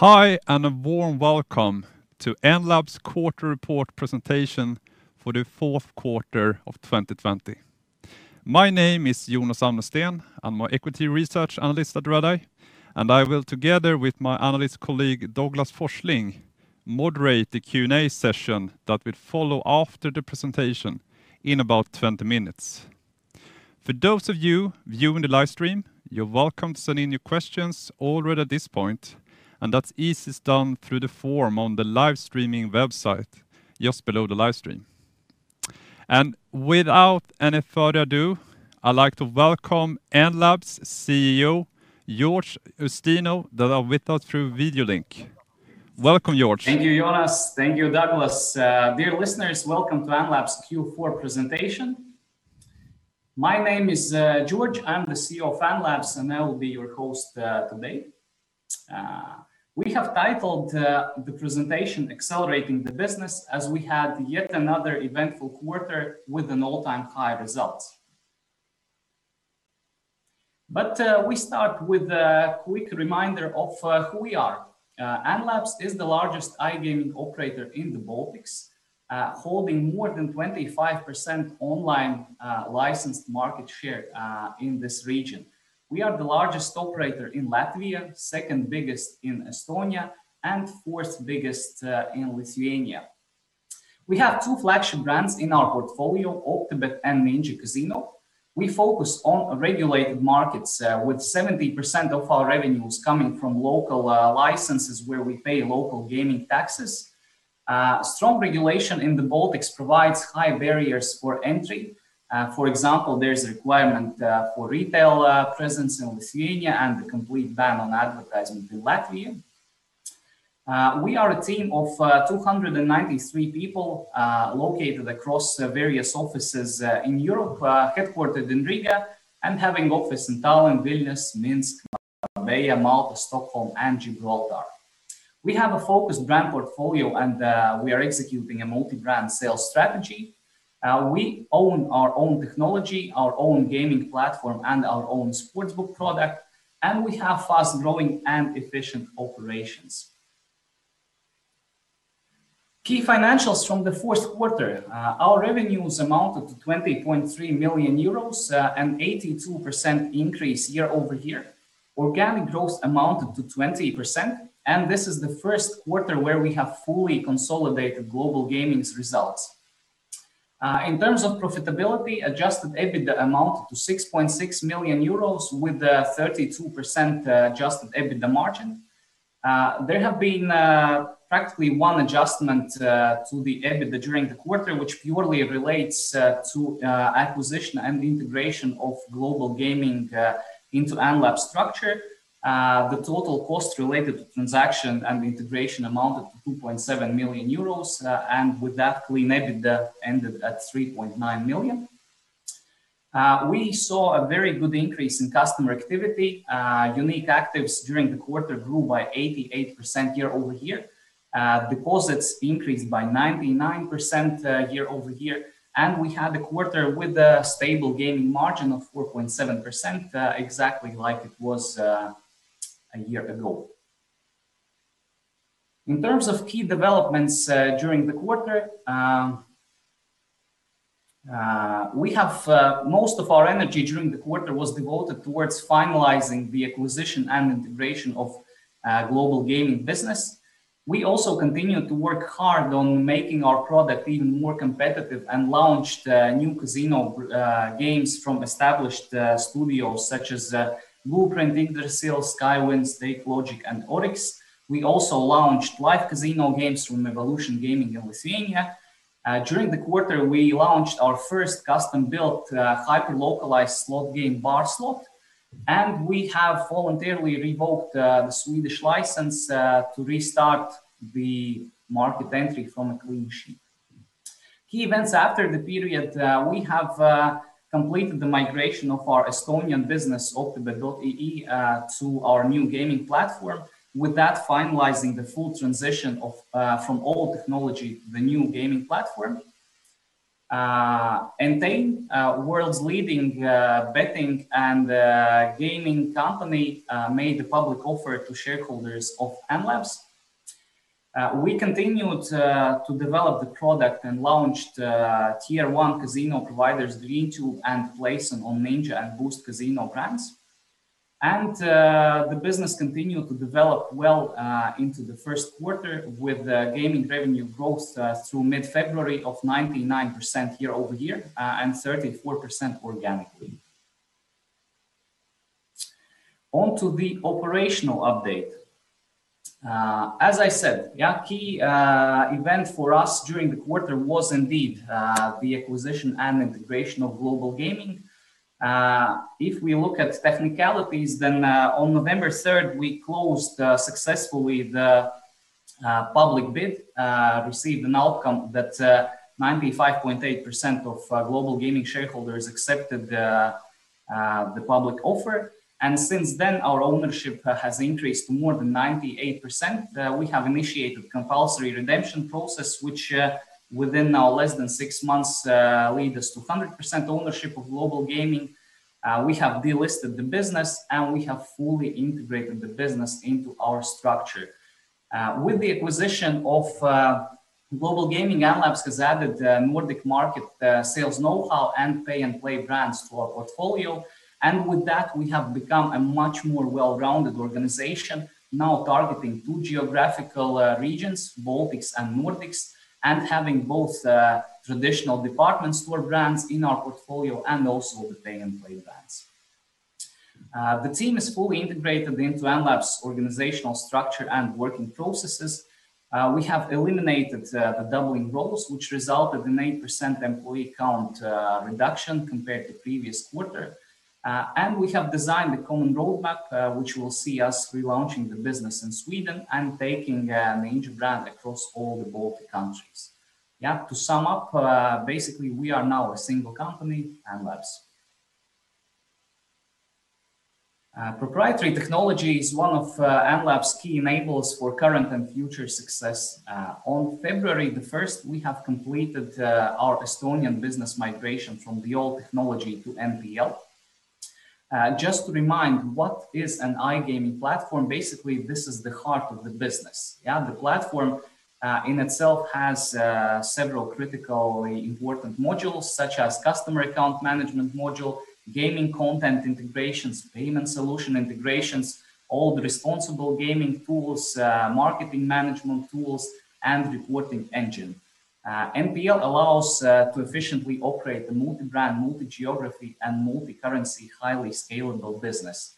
Hi, and a warm welcome to Enlabs' Quarter report presentation for the Fourth Quarter of 2020. My name is Jonas Amnesten. I'm an Equity Research Analyst at Redeye, and I will, together with my Analyst colleague, Douglas Forsling, moderate the Q&A session that will follow after the presentation in about 20 minutes. For those of you viewing the live stream, you're welcome to send in your questions already at this point, and that's easiest done through the form on the live streaming website, just below the live stream. Without any further ado, I'd like to welcome Enlabs CEO, George Ustinov, with us through video link. Welcome, George. Thank you, Jonas. Thank you, Douglas. Dear listeners, welcome to Enlabs Q4 Presentation. My name is George. I'm the CEO of Enlabs, and I will be your host today. We have titled the presentation Accelerating the Business, as we had yet another eventful quarter with an all-time high result. We start with a quick reminder of who we are. Enlabs is the largest iGaming operator in the Baltics, holding more than 25% online licensed market share in this region. We are the largest operator in Latvia, second biggest in Estonia, and fourth biggest in Lithuania. We have two flagship brands in our portfolio, Optibet and Ninja Casino. We focus on regulated markets, with 70% of our revenues coming from local licenses where we pay local gaming taxes. Strong regulation in the Baltics provides high barriers for entry. For example, there's a requirement for retail presence in Lithuania and a complete ban on advertising in Latvia. We are a team of 293 people located across various offices in Europe, headquartered in Riga and having offices in Tallinn, Vilnius, Minsk, Marbella, Malta, Stockholm, and Gibraltar. We have a focused brand portfolio, and we are executing a multi-brand sales strategy. We own our own technology, our own gaming platform, and our own sportsbook product, and we have fast-growing and efficient operations. Key financials from the fourth quarter. Our revenues amounted to 20.3 million euros, an 82% increase year-over-year. Organic growth amounted to 20%, and this is the first quarter where we have fully consolidated Global Gaming's results. In terms of profitability, adjusted EBITDA amounted to 6.6 million euros, with a 32% adjusted EBITDA margin. There has been practically one adjustment to the EBITDA during the quarter, which purely relates to acquisition and integration of Global Gaming into Enlabs' structure. The total cost related to transaction and integration amounted to 2.7 million euros, and with that, clean EBITDA ended at 3.9 million. We saw a very good increase in customer activity. Unique actives during the quarter grew by 88% year-over-year. Deposits increased by 99% year-over-year, and we had a quarter with a stable gaming margin of 4.7%, exactly like it was a year ago. In terms of key developments during the quarter, most of our energy during the quarter was devoted towards finalizing the acquisition and integration of Global Gaming business. We also continued to work hard on making our product even more competitive and launched new casino games from established studios such as Blueprint, Yggdrasil, Skywind, Stakelogic, and Oryx. We also launched live casino games from Evolution Gaming in Lithuania. During the quarter, we launched our first custom-built, hyper-localized slot game, Bar Slot. We have voluntarily revoked the Swedish license to restart the market entry from a clean sheet. Key events after the period. We have completed the migration of our Estonian business, Optibet.ee, to our new gaming platform, with that finalizing the full transition from old technology to the new gaming platform. Entain, world's leading betting and gaming company, made a public offer to shareholders of Enlabs. We continued to develop the product and launched tier 1 casino providers DreamTech and Playson on Ninja and Boost Casino brands. The business continued to develop well into the first quarter with gaming revenue growth through mid-February of 99% year-over-year and 34% organically. On to the operational update. As I said, a key event for us during the quarter was indeed the acquisition and integration of Global Gaming. If we look at technicalities, then on November 3rd, we closed successfully the public bid, received an outcome that 95.8% of Global Gaming shareholders accepted the public offer. Since then, our ownership has increased to more than 98%. We have initiated compulsory redemption process, which within now less than six months, lead us to 100% ownership of Global Gaming. We have delisted the business, we have fully integrated the business into our structure. With the acquisition of Global Gaming, Enlabs has added the Nordic market sales know-how and Pay N Play brands to our portfolio. With that, we have become a much more well-rounded organization, now targeting two geographical regions, Baltics and Nordics, and having both traditional department store brands in our portfolio, and also the Pay N Play brands. The team is fully integrated into Enlabs organizational structure and working processes. We have eliminated the doubling roles, which resulted in 9% employee count reduction compared to previous quarter. We have designed a common roadmap, which will see us relaunching the business in Sweden and taking Ninja brand across all the Baltic countries. Basically, we are now a single company, Enlabs. Proprietary technology is one of Enlabs key enablers for current and future success. On February the 1st, we have completed our Estonian business migration from the old technology to MPL. Just to remind what is an iGaming platform. Basically, this is the heart of the business. Yeah, the platform, in itself, has several critically important modules such as customer account management module, gaming content integrations, payment solution integrations, all the responsible gaming tools, marketing management tools, and reporting engine. MPL allows to efficiently operate the multi-brand, multi-geography, and multi-currency, highly scalable business.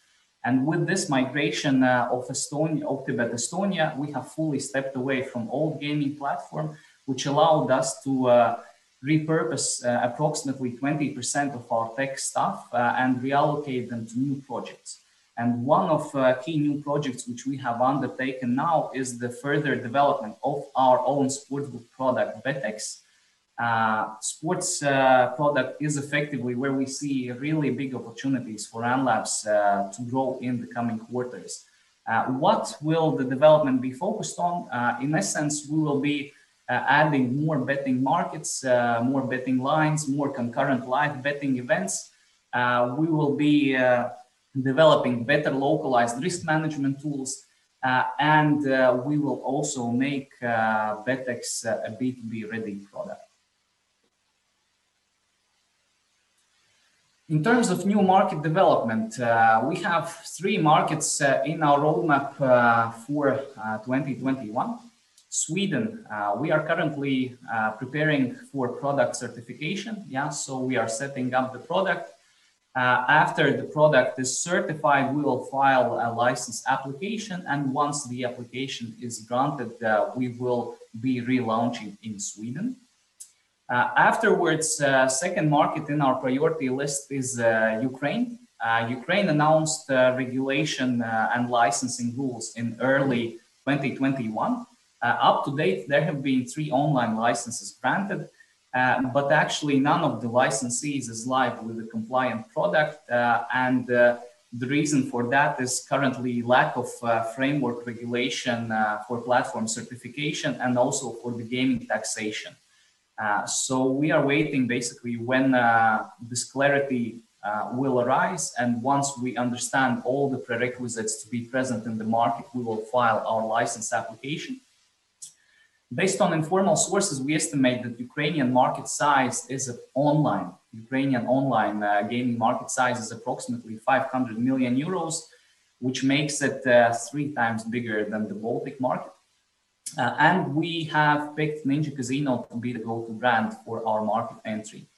With this migration of Optibet Estonia, we have fully stepped away from old gaming platform, which allowed us to repurpose approximately 20% of our tech staff, and reallocate them to new projects. One of key new projects which we have undertaken now is the further development of our own sportsbook product, BetX. Sports product is effectively where we see really big opportunities for Enlabs to grow in the coming quarters. What will the development be focused on? In essence, we will be adding more betting markets, more betting lines, more concurrent live betting events. We will be developing better localized risk management tools, and we will also make BetX a B2B-ready product. In terms of new market development, we have three markets in our roadmap for 2021. Sweden, we are currently preparing for product certification. Yeah, we are setting up the product. After the product is certified, we will file a license application, and once the application is granted, we will be relaunching in Sweden. Afterwards, second market in our priority list is Ukraine. Ukraine announced regulation and licensing rules in early 2021. Up to date, there have been three online licenses granted. Actually, none of the licensees is live with a compliant product. The reason for that is currently lack of framework regulation for platform certification, and also for the gaming taxation. We are waiting basically when this clarity will arise, and once we understand all the prerequisites to be present in the market, we will file our license application. Based on informal sources, we estimate that Ukrainian market size is online. Ukrainian online gaming market size is approximately 500 million euros, which makes it three times bigger than the Baltic market. We have picked Ninja Casino to be the go-to brand for our market entry.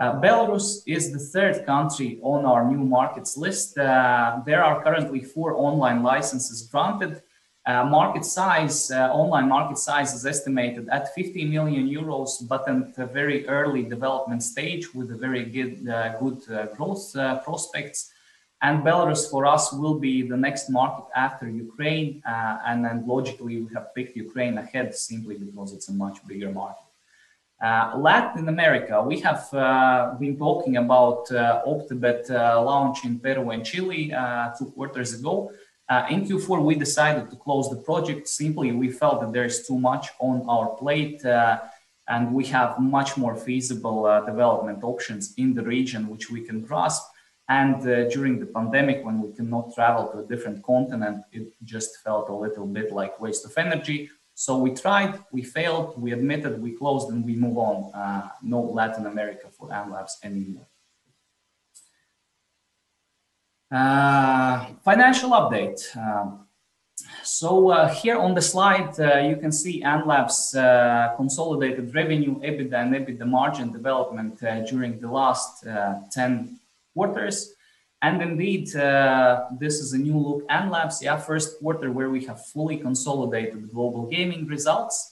Belarus is the third country on our new markets list. There are currently four online licenses granted. Online market size is estimated at 50 million euros, but in a very early development stage with a very good growth prospects. Belarus for us will be the next market after Ukraine. Then logically, we have picked Ukraine ahead simply because it's a much bigger market. Latin America, we have been talking about Optibet launch in Peru and Chile, two quarters ago. In Q4, we decided to close the project. We felt that there is too much on our plate, and we have much more feasible development options in the region, which we can grasp. During the pandemic, when we cannot travel to a different continent, it just felt a little bit like waste of energy. We tried, we failed, we admitted, we closed, and we move on. No Latin America for Enlabs anymore. Financial update. Here on the slide, you can see Enlabs consolidated revenue, EBITDA, and EBITDA margin development during the last 10 quarters. Indeed, this is a new look Enlabs, yeah, first quarter where we have fully consolidated Global Gaming results,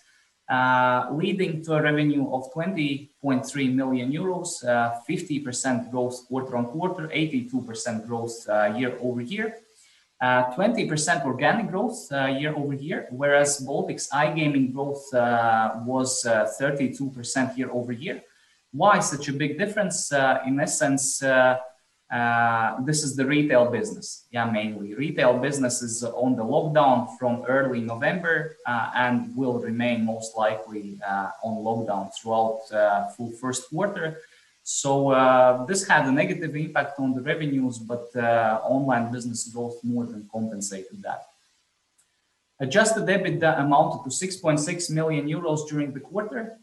leading to a revenue of 20.3 million euros. 50% growth quarter-over-quarter, 82% growth year-over-year. 20% organic growth year-over-year, whereas Baltics iGaming growth was 32% year-over-year. Why such a big difference? In essence, this is the retail business, mainly. Retail business is on the lockdown from early November, and will remain most likely on lockdown throughout full first quarter. This had a negative impact on the revenues, but online business growth more than compensated that. Adjusted EBITDA amounted to 6.6 million euros during the quarter.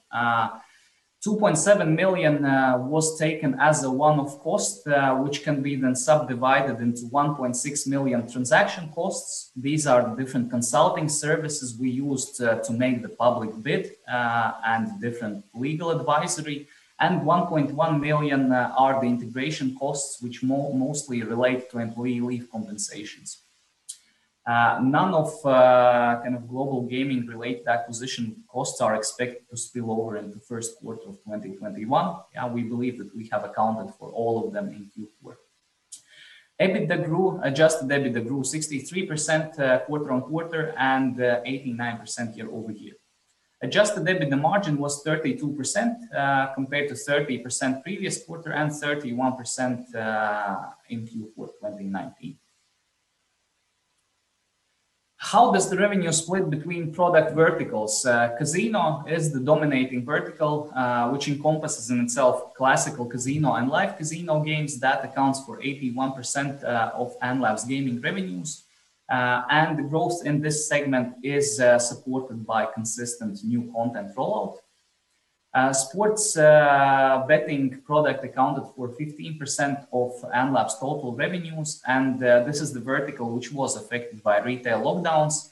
2.7 million was taken as a one-off cost, which can be then subdivided into 1.6 million transaction costs. These are different consulting services we used to make the public bid, and different legal advisory, and 1.1 million are the integration costs, which mostly relate to employee leave compensations. None of Global Gaming-related acquisition costs are expected to spill over into first quarter of 2021. We believe that we have accounted for all of them in Q4. Adjusted EBITDA grew 63% quarter-on-quarter, and 89% year-over-year. Adjusted EBITDA margin was 32%, compared to 30% previous quarter and 31% in Q4 2019. How does the revenue split between product verticals? Casino is the dominating vertical, which encompasses in itself classical casino and live casino games. That accounts for 81% of Enlabs gaming revenues. The growth in this segment is supported by consistent new content rollout. Sports betting product accounted for 15% of Enlabs total revenues, and this is the vertical which was affected by retail lockdowns.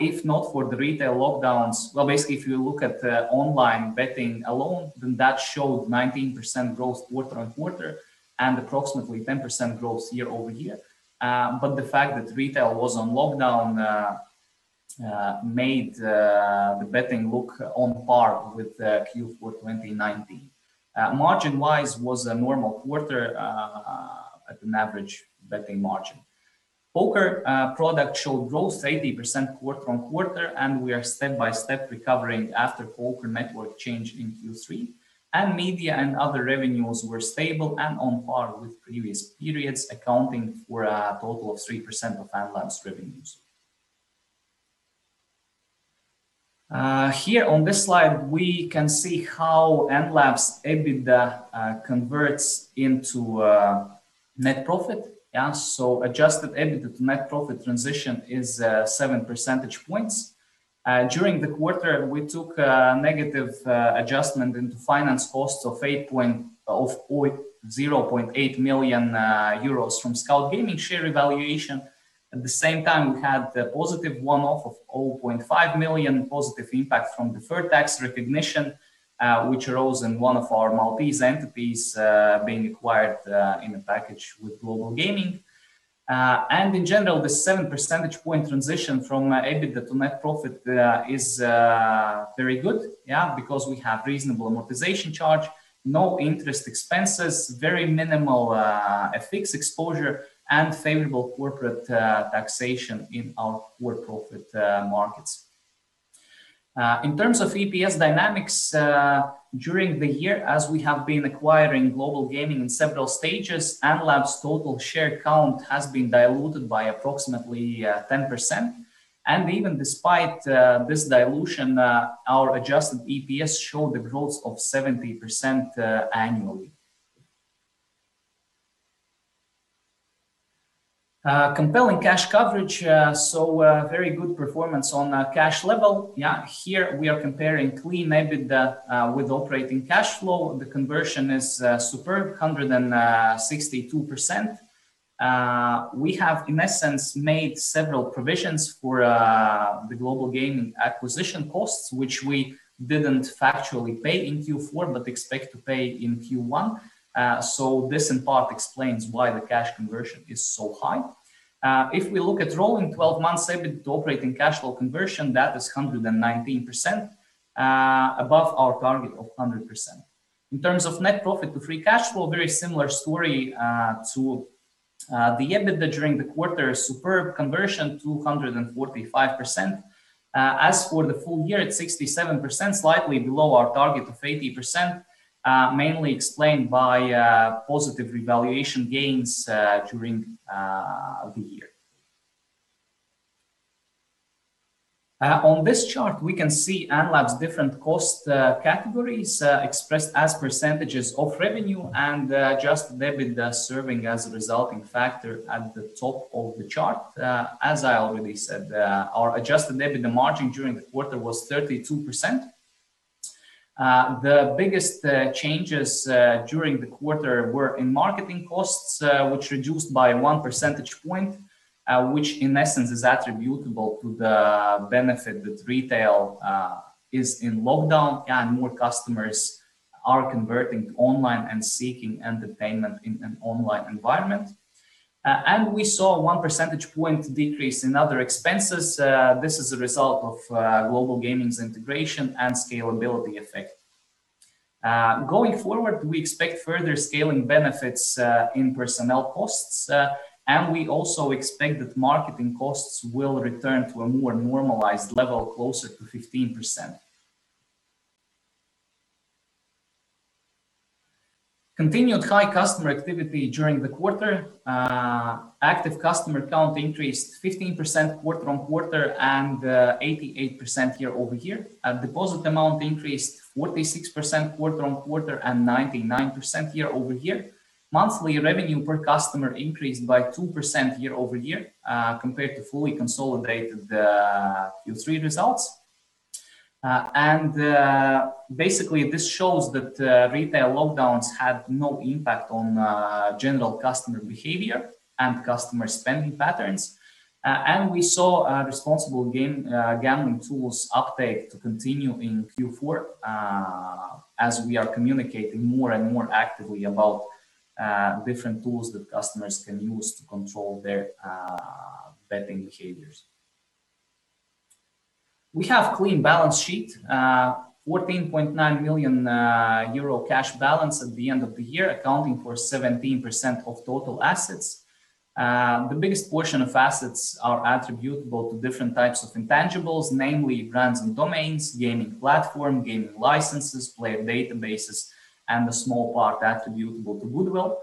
If not for the retail lockdowns, if you look at the online betting alone, that showed 19% growth quarter-on-quarter, and approximately 10% growth year-over-year. But, the fact that retail was on lockdown made the betting look on par with Q4 2019. Margin-wise, was a normal quarter at an average betting margin. Poker product showed growth 80% quarter-on-quarter, and we are step-by-step recovering after poker network change in Q3. Media and other revenues were stable and on par with previous periods, accounting for a total of 3% of Enlabs revenues. Here on this slide, we can see how Enlabs EBITDA converts into net profit. Adjusted EBITDA to net profit transition is 7 percentage points. During the quarter, we took a negative adjustment into finance costs of 0.8 million euros from Scout Gaming share evaluation. At the same time, we had the positive one-off of 0.5 million positive impact from deferred tax recognition, which arose in one of our Maltese entities being acquired in a package with Global Gaming. In general, the 7 percentage point transition from EBITDA to net profit is very good, yeah, because we have reasonable amortization charge, no interest expenses, very minimal FX exposure, and favorable corporate taxation in our core profit markets. In terms of EPS dynamics, during the year, as we have been acquiring Global Gaming in several stages, Enlabs total share count has been diluted by approximately 10%. Even despite this dilution, our adjusted EPS showed a growth of 70% annually. Compelling cash coverage. Very good performance on cash level. Yeah, here we are comparing clean EBITDA with operating cash flow. The conversion is superb, 162%. We have, in essence, made several provisions for the Global Gaming acquisition costs, which we didn't factually pay in Q4 but expect to pay in Q1. This in part explains why the cash conversion is so high. If we look at rolling 12 months EBITDA to operating cash flow conversion, that is 119%, above our target of 100%. In terms of net profit to free cash flow, very similar story to the EBITDA during the quarter. Superb conversion, 245%. As for the full year at 67%, slightly below our target of 80%, mainly explained by positive revaluation gains during the year. On this chart, we can see Enlabs different cost categories expressed as percentages of revenue, and adjusted EBITDA serving as a resulting factor at the top of the chart. As I already said, our adjusted EBITDA margin during the quarter was 32%. The biggest changes during the quarter were in marketing costs, which reduced by 1 percentage point, which in essence is attributable to the benefit that retail is in lockdown, and more customers are converting to online and seeking entertainment in an online environment. We saw a 1 percentage point decrease in other expenses. This is a result of Global Gaming's integration and scalability effect. Going forward, we expect further scaling benefits in personnel costs. We also expect that marketing costs will return to a more normalized level, closer to 15%. Continued high customer activity during the quarter. Active customer count increased 15% quarter-on-quarter and 88% year-over-year. Deposit amount increased 46% quarter-on-quarter and 99% year-over-year. Monthly revenue per customer increased by 2% year-over-year, compared to fully consolidated Q3 results. Basically, this shows that retail lockdowns had no impact on general customer behavior and customer spending patterns. We saw responsible gambling tools uptake to continue in Q4, as we are communicating more and more actively about different tools that customers can use to control their betting behaviors. We have clean balance sheet, 14.9 million euro cash balance at the end of the year, accounting for 17% of total assets. The biggest portion of assets are attributable to different types of intangibles, namely brands and domains, gaming platform, gaming licenses, player databases, and a small part attributable to goodwill.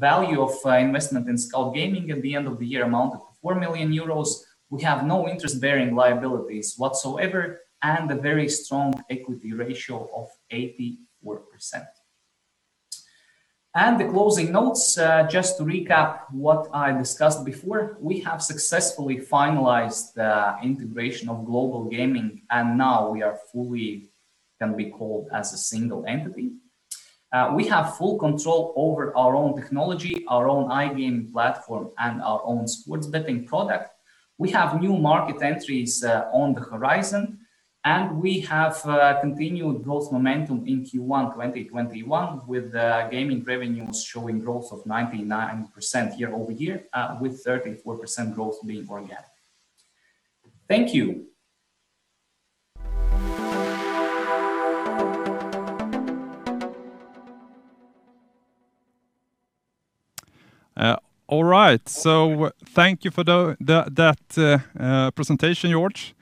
Value of investment in Scout Gaming at the end of the year amounted to 4 million euros. We have no interest-bearing liabilities whatsoever, and a very strong equity ratio of 84%. The closing notes, just to recap what I discussed before, we have successfully finalized the integration of Global Gaming, and now we are fully can be called as a single entity. We have full control over our own technology, our own iGaming platform, and our own sports betting product. We have new market entries on the horizon, and we have continued growth momentum in Q1 2021, with gaming revenues showing growth of 99% year-over-year, with 34% growth being organic. Thank you. All right. Thank you for that presentation, George.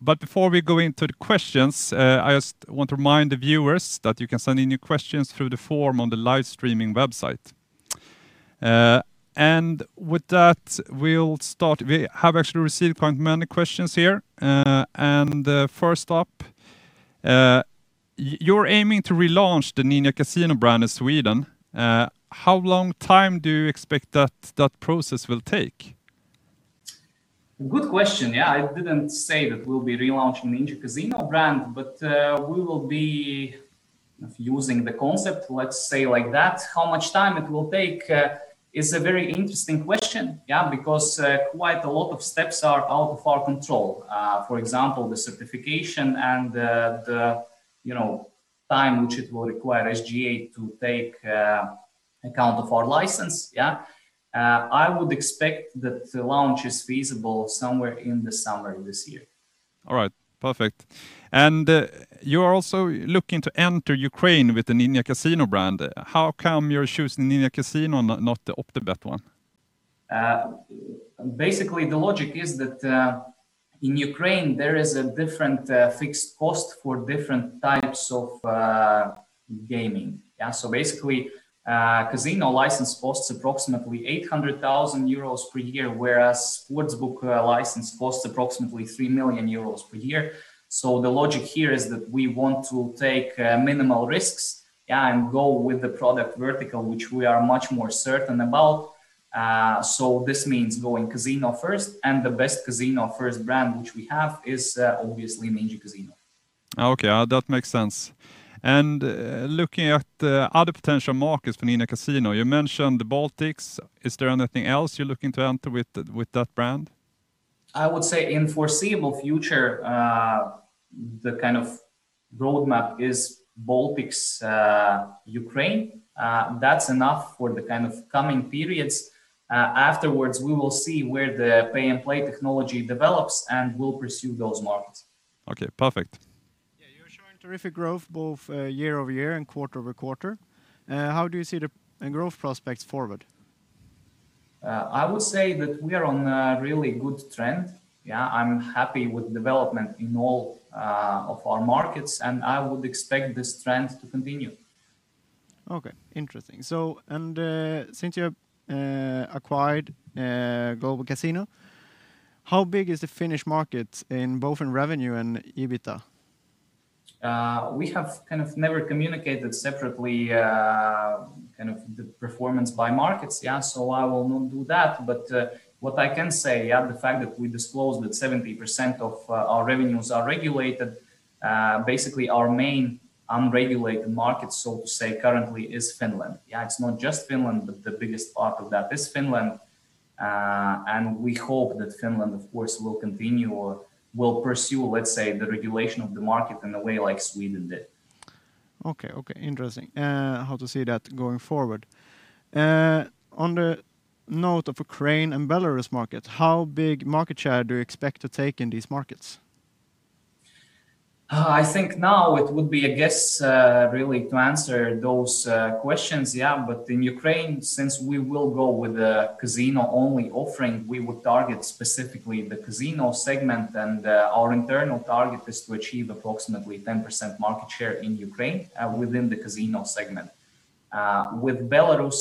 Before we go into the questions, I just want to remind the viewers that you can send in your questions through the form on the live streaming website. With that, we'll start. We have actually received quite many questions here. First up, you're aiming to relaunch the Ninja Casino brand in Sweden. How long time do you expect that that process will take? Good question. Yeah, I didn't say that we'll be relaunching Ninja Casino brand, but we will be using the concept, let's say like that. How much time it will take is a very interesting question. Yeah, because quite a lot of steps are out of our control. For example, the certification and the time which it will require SGA to take account of our license. I would expect that the launch is feasible somewhere in the summer this year. All right, perfect. You are also looking to enter Ukraine with the Ninja Casino brand. How come you're choosing Ninja Casino, not the Optibet one? Basically, the logic is that in Ukraine there is a different fixed cost for different types of gaming. Yeah, so, basically, casino license costs approximately 800,000 euros per year, whereas sportsbook license costs approximately 3 million euros per year. The logic here is that we want to take minimal risks, yeah, and go with the product vertical, which we are much more certain about. This means going casino first, and the best casino first brand which we have is obviously Ninja Casino. Okay, that makes sense. Looking at other potential markets for Ninja Casino, you mentioned the Baltics. Is there anything else you're looking to enter with that brand? I would say in foreseeable future, the kind of roadmap is Baltics, Ukraine. That's enough for the kind of coming periods. Afterwards, we will see where the Pay N Play technology develops, and we'll pursue those markets. Okay, perfect. Yeah, you're showing terrific growth both year-over-year and quarter-over-quarter. How do you see the growth prospects forward? I would say that we are on a really good trend. Yeah, I'm happy with development in all of our markets, and I would expect this trend to continue. Okay, interesting. Since you have acquired Global Gaming, how big is the Finnish market in both in revenue and EBITDA? We have kind of never communicated separately kind of the performance by markets. I will not do that. What I can say, yeah, the fact that we disclosed that 70% of our revenues are regulated. Basically, our main unregulated market, so to say, currently is Finland. Yeah, it's not just Finland, but the biggest part of that is Finland. We hope that Finland, of course, will continue or will pursue, let's say, the regulation of the market in a way like Sweden did. Okay. Interesting. How to see that going forward. On the note of Ukraine and Belarus market, how big market share do you expect to take in these markets? I think now it would be a guess really to answer those questions. In Ukraine, since we will go with a casino-only offering, we would target specifically the casino segment, and our internal target is to achieve approximately 10% market share in Ukraine within the casino segment. With Belarus,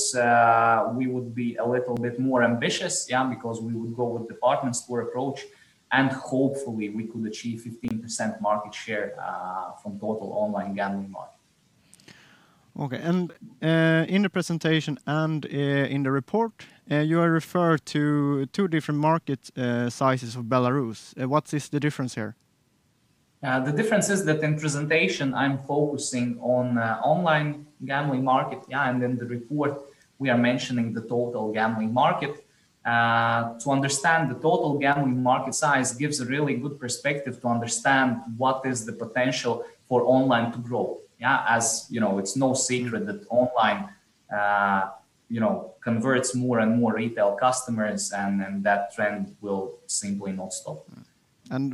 we would be a little bit more ambitious, because we would go with department store approach, and hopefully we could achieve 15% market share from total online gambling market. Okay. In the presentation and in the report, you are referred to two different market sizes of Belarus. What is the difference here? The difference is that in presentation, I'm focusing on online gambling market. In the report, we are mentioning the total gambling market. To understand the total gambling market size gives a really good perspective to understand what is the potential for online to grow. As you know, it's no secret that online converts more and more retail customers, and then that trend will simply not stop.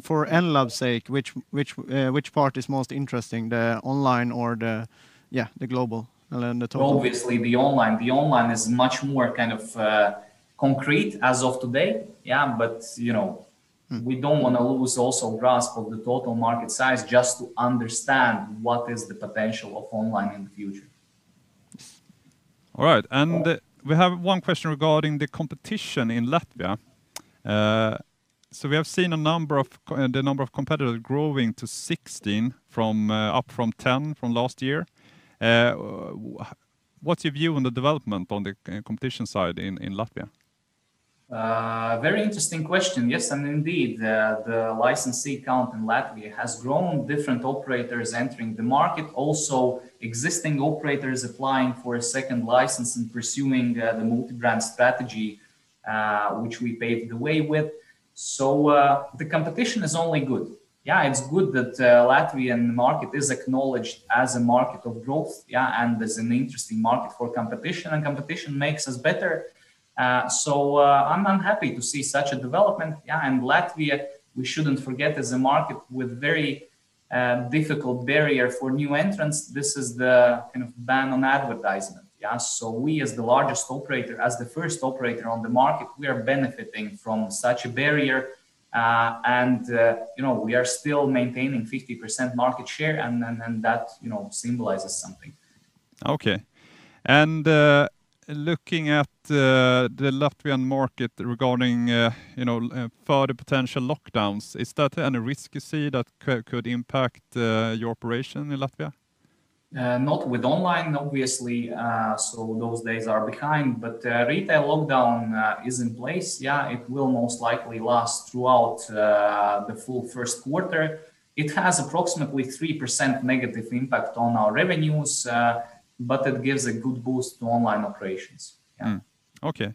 For Enlabs sake, which part is most interesting, the online or the global and then the total? Obviously the online is much more concrete as of today. We don't want to lose also grasp of the total market size just to understand what is the potential of online in the future. All right. We have one question regarding the competition in Latvia. We have seen the number of competitors growing to 16, up from 10 from last year. What's your view on the development on the competition side in Latvia? Very interesting question. Indeed, the licensee count in Latvia has grown different operators entering the market. Also, existing operators applying for a second license and pursuing the multi-brand strategy, which we paved the way with. The competition is only good. It's good that Latvian market is acknowledged as a market of growth. As an interesting market for competition makes us better. I'm happy to see such a development. Latvia, we shouldn't forget, is a market with very difficult barrier for new entrants. This is the kind of ban on advertisement. We, as the largest operator, as the first operator on the market, we are benefiting from such a barrier. We are still maintaining 50% market share, and that symbolizes something. Okay. Looking at the Latvian market regarding further potential lockdowns, is there any risk you see that could impact your operation in Latvia? Not with online, obviously. Those days are behind. Retail lockdown is in place. It will most likely last throughout the full first quarter. It has approximately 3% negative impact on our revenues, but it gives a good boost to online operations. Yeah. Okay.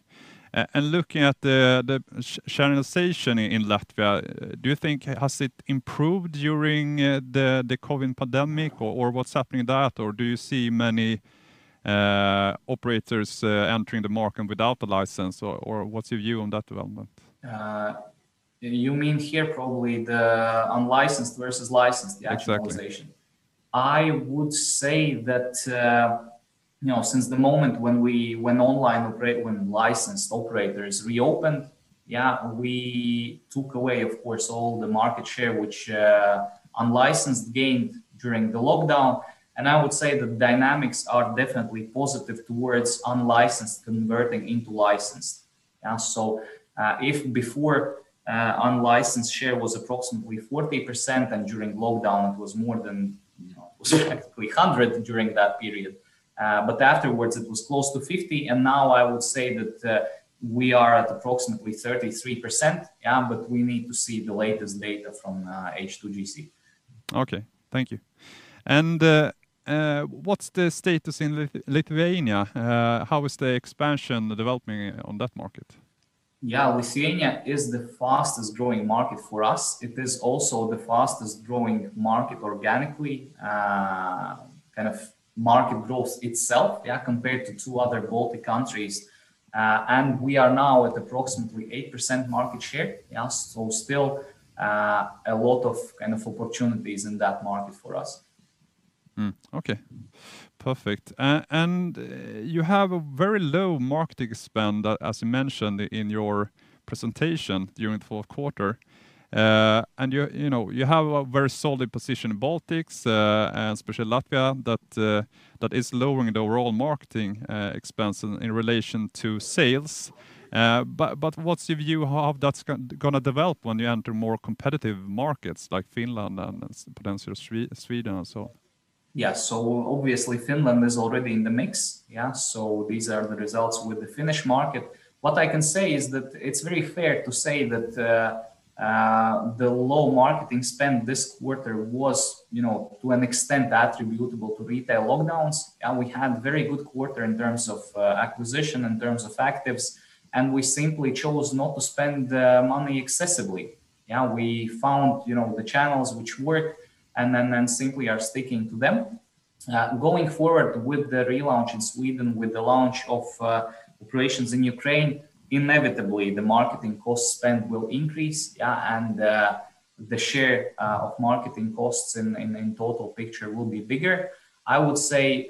Looking at the channelization in Latvia, do you think, has it improved during the COVID pandemic, or what's happening with that? Do you see many operators entering the market without the license? What's your view on that development? You mean here probably the unlicensed versus licensed. The actual accumulation. I would say that since the moment when online licensed operators reopened, we took away, of course, all the market share, which unlicensed gained during the lockdown. I would say the dynamics are definitely positive towards unlicensed converting into licensed. If before unlicensed share was approximately 40%, and during lockdown it was effectively 100% during that period. Afterwards it was close to 50%. Now I would say that we are at approximately 33%, but we need to see the latest data from H2GC. Okay. Thank you. What's the status in Lithuania? How is the expansion developing on that market? Lithuania is the fastest-growing market for us. It is also the fastest-growing market organically, kind of market growth itself compared to two other Baltic countries. We are now at approximately 8% market share. Still a lot of opportunities in that market for us. Okay. Perfect. You have a very low marketing spend, as you mentioned in your presentation during the fourth quarter. You have a very solid position in Baltics, and especially Latvia, that is lowering the overall marketing expense in relation to sales. What's your view how that's going to develop when you enter more competitive markets like Finland and potentially Sweden also? Yeah. Obviously Finland is already in the mix. These are the results with the Finnish market. What I can say is that it's very fair to say that the low marketing spend this quarter was, to an extent, attributable to retail lockdowns. We had very good quarter in terms of acquisition, in terms of actives, and we simply chose not to spend the money excessively. We found the channels which work, and then simply are sticking to them. Going forward with the relaunch in Sweden, with the launch of operations in Ukraine, inevitably, the marketing cost spend will increase, and the share of marketing costs in total picture will be bigger. I would say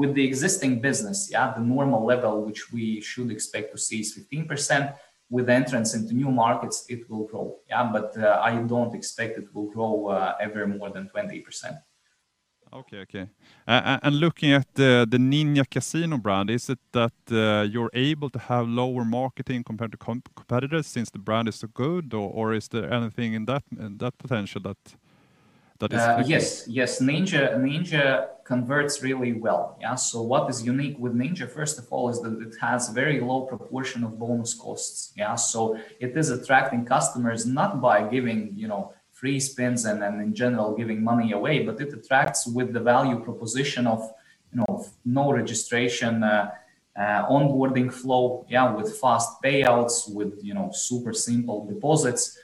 with the existing business, the normal level, which we should expect to see is 15%. With entrance into new markets, it will grow. I don't expect it will grow ever more than 20%. Okay. Looking at the Ninja Casino brand, is it that you're able to have lower marketing compared to competitors since the brand is so good? Ninja converts really well. What is unique with Ninja, first of all, is that it has very low proportion of bonus costs. It is attracting customers not by giving free spins and in general giving money away, but it attracts with the value proposition of no registration, onboarding flow, with fast payouts, with super simple deposits.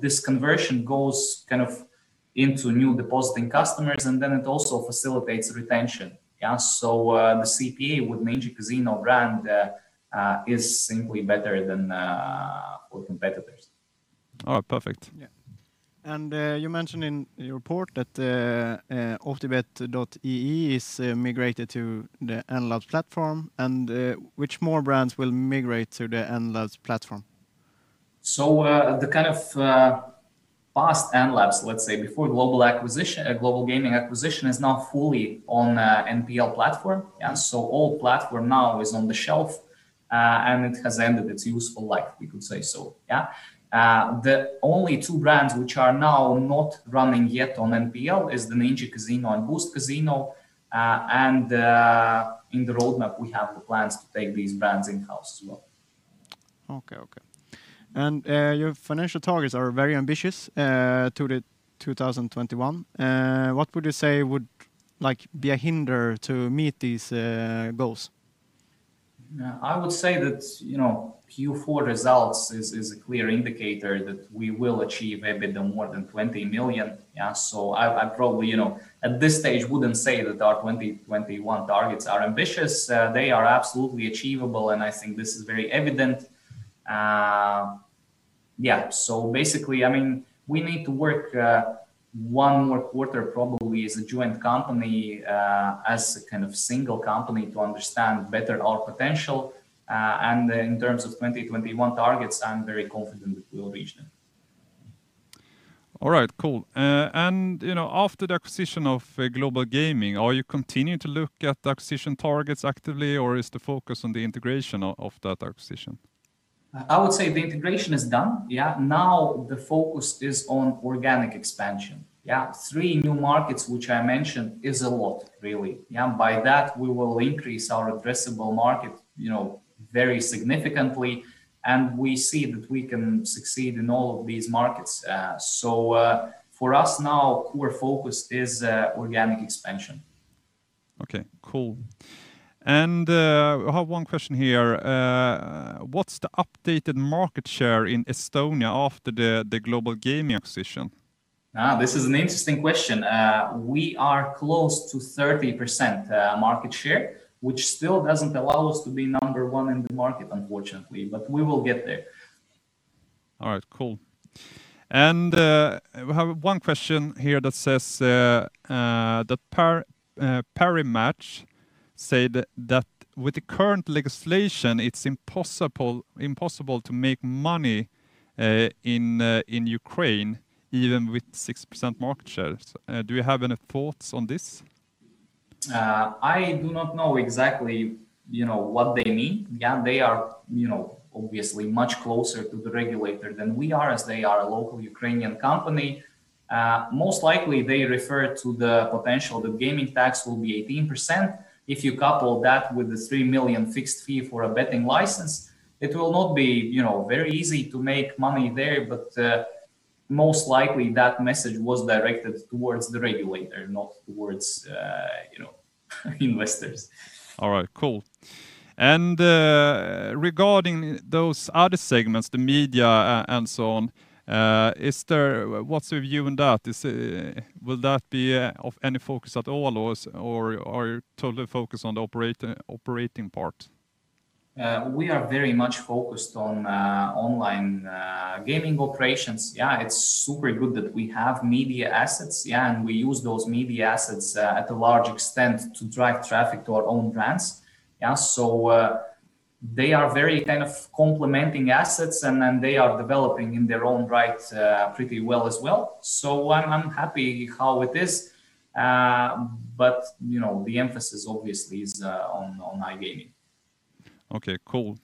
This conversion goes into new depositing customers, and then it also facilitates retention. The CPA with Ninja Casino brand, is simply better than all competitors. All right. Perfect. Yeah. You mentioned in your report that Optibet.ee is migrated to the Enlabs platform. Which more brands will migrate to the Enlabs platform? The kind of past Enlabs, let's say before Global Gaming acquisition, is now fully on MPL platform. Old platform now is on the shelf, and it has ended its useful life, we could say so. The only two brands which are now not running yet on MPL is the Ninja Casino and Boost Casino. In the roadmap, we have the plans to take these brands in-house as well. Okay. Your financial targets are very ambitious to the 2021. What would you say would be a hinder to meet these goals? I would say that Q4 results is a clear indicator that we will achieve EBITDA more than 20 million. I probably, at this stage, wouldn't say that our 2021 targets are ambitious. They are absolutely achievable, and I think this is very evident. Yeah, basically, we need to work one more quarter, probably, as a joint company, as a kind of single company to understand better our potential. In terms of 2021 targets, I'm very confident that we will reach them. All right, cool. After the acquisition of Global Gaming, are you continuing to look at acquisition targets actively, or is the focus on the integration of that acquisition? I would say the integration is done. Now the focus is on organic expansion. Three new markets, which I mentioned, is a lot, really. By that, we will increase our addressable market very significantly, and we see that we can succeed in all of these markets. For us now, core focus is organic expansion. Okay, cool. I have one question here. What's the updated market share in Estonia after the Global Gaming acquisition? This is an interesting question. We are close to 30% market share, which still doesn't allow us to be number one in the market, unfortunately. We will get there. All right, cool. We have one question here that says that Parimatch said that with the current legislation, it's impossible to make money in Ukraine, even with 6% market share. Do you have any thoughts on this? I do not know exactly what they mean. They are obviously much closer to the regulator than we are, as they are a local Ukrainian company. Most likely they refer to the potential the gaming tax will be 18%. If you couple that with the 3 million fixed fee for a betting license, it will not be very easy to make money there. Most likely that message was directed towards the regulator, not towards investors. All right, cool. Regarding those other segments, the media and so on, what's your view on that? Will that be of any focus at all, or are you totally focused on the operating part? We are very much focused on online gaming operations. It's super good that we have media assets. We use those media assets at a large extent to drive traffic to our own brands. They are very kind of complementing assets, they are developing in their own right pretty well as well. I'm happy how it is. The emphasis obviously is on iGaming. Okay, cool.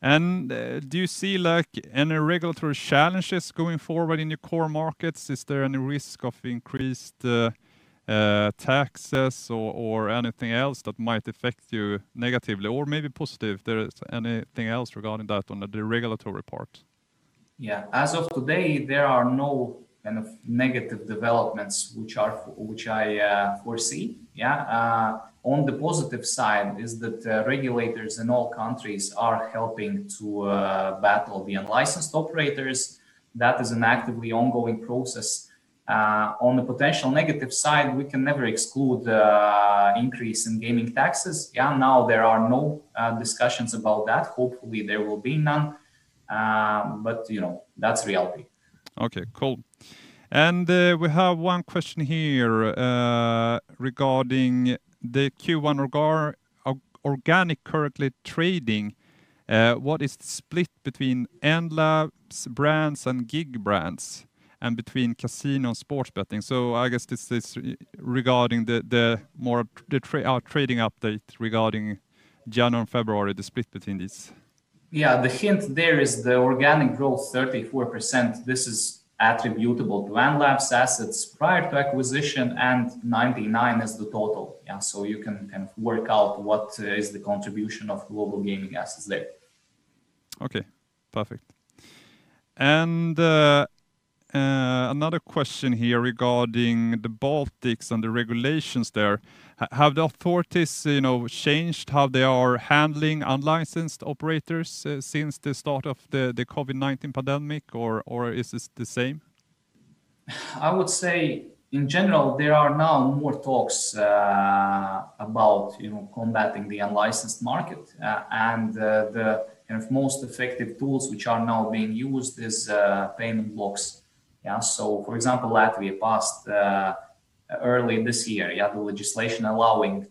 Do you see any regulatory challenges going forward in your core markets? Is there any risk of increased taxes or anything else that might affect you negatively or maybe positive? There is anything else regarding that on the regulatory part? Yeah. As of today, there are no kind of negative developments which I foresee. On the positive side is that regulators in all countries are helping to battle the unlicensed operators. That is an actively ongoing process. On the potential negative side, we can never exclude increase in gaming taxes. There are no discussions about that. Hopefully, there will be none. That's reality. Okay, cool. We have one question here regarding the Q1 organic currently trading. What is the split between Enlabs brands and GG brands, and between casino and sports betting? I guess this is regarding our trading update regarding January and February, the split between these. Yeah. The hint there is the organic growth, 34%, this is attributable to Enlabs assets prior to acquisition, and 99% is the total. You can work out what is the contribution of Global Gaming assets there. Okay, perfect. Another question here regarding the Baltics and the regulations there. Have the authorities changed how they are handling unlicensed operators since the start of the COVID-19 pandemic, or is this the same? I would say, in general, there are now more talks about combating the unlicensed market, and the most effective tools which are now being used is payment blocks. For example, Latvia passed early this year, the legislation allowing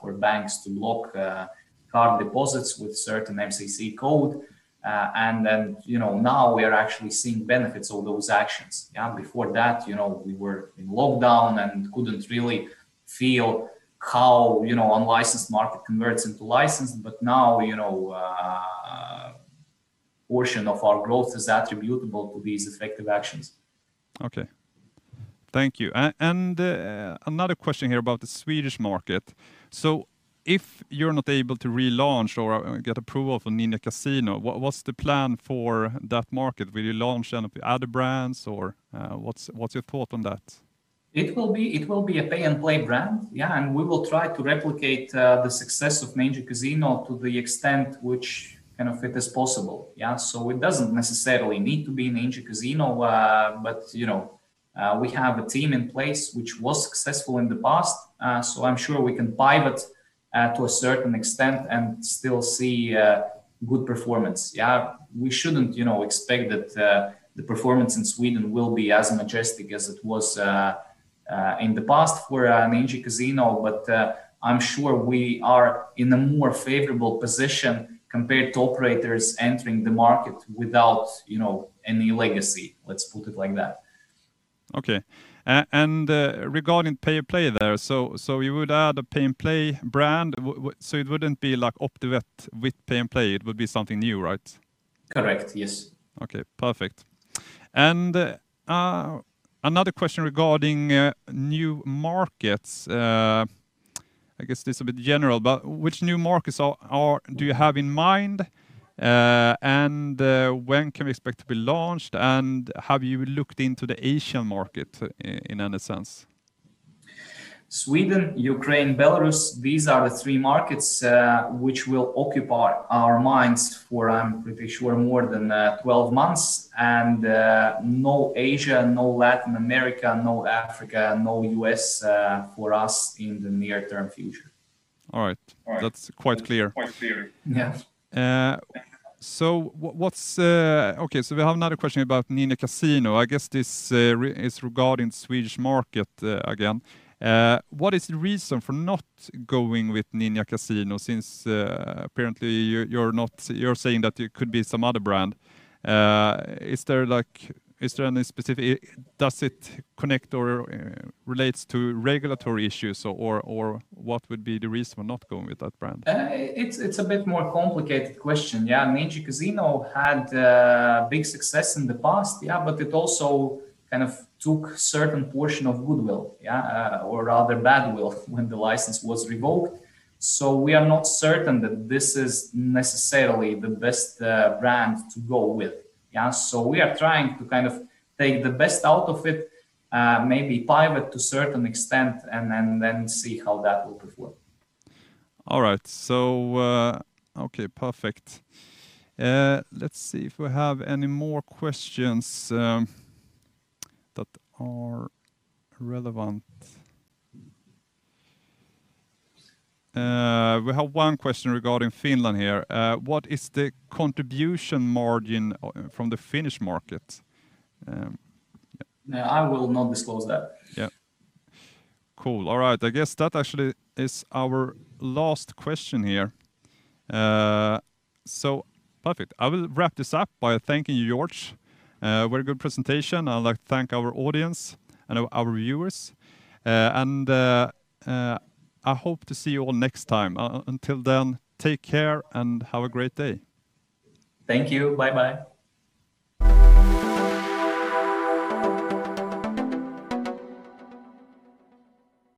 for banks to block card deposits with certain MCC code. Now we are actually seeing benefits of those actions. Before that, we were in lockdown and couldn't really feel how unlicensed market converts into licensed. Now, a portion of our growth is attributable to these effective actions. Okay. Thank you. Another question here about the Swedish market. If you're not able to relaunch or get approval for Ninja Casino, what's the plan for that market? Will you launch any other brands, or what's your thought on that? It will be a Pay N Play brand. Yeah. We will try to replicate the success of Ninja Casino to the extent which it is possible. It doesn't necessarily need to be Ninja Casino. We have a team in place which was successful in the past. I'm sure we can pivot to a certain extent and still see good performance. Yeah. We shouldn't expect that the performance in Sweden will be as majestic as it was in the past for Ninja Casino. But, I'm sure we are in a more favorable position compared to operators entering the market without any legacy. Let's put it like that. Okay. Regarding Pay N Play there, you would add a Pay N Play brand. It wouldn't be like Optibet with Pay N Play, it would be something new, right? Correct. Yes. Okay, perfect. Another question regarding new markets. I guess this is a bit general, but which new markets do you have in mind? When can we expect to be launched? Have you looked into the Asian market in any sense? Sweden, Ukraine, Belarus. These are the three markets, which will occupy our minds for, I'm pretty sure, more than 12 months. No Asia, no Latin America, no Africa, no U.S., for us in the near-term future. All right. All right. That's quite clear. Quite clear. Yes. We have another question about Ninja Casino. I guess this is regarding Swedish market again. What is the reason for not going with Ninja Casino since apparently you're saying that it could be some other brand. Does it connect or relates to regulatory issues, or what would be the reason for not going with that brand? It's a bit more complicated question. Ninja Casino had big success in the past, but it also kind of took certain portion of goodwill. Rather bad will when the license was revoked. We are not certain that this is necessarily the best brand to go with. We are trying to take the best out of it, maybe pivot to certain extent, and then see how that will perform. All right. Okay, perfect. Let's see if we have any more questions that are relevant. We have one question regarding Finland here. What is the contribution margin from the Finnish market? I will not disclose that. Yeah. Cool. All right. I guess that actually is our last question here. Perfect. I will wrap this up by thanking you, George. Very good presentation. I'd like to thank our audience and our viewers, and I hope to see you all next time. Until then, take care and have a great day. Thank you. Bye-bye.